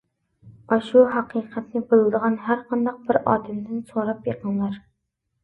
ئاشۇ ھەقىقەتنى بىلىدىغان ھەر قانداق بىر ئادەمدىن سوراپ بېقىڭلار.